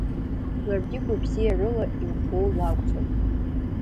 Ларгьы гәабзиарыла иӷәӷәоу лакәӡам.